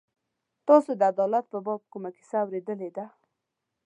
تاسو د عدالت په باب کومه کیسه اورېدلې ده.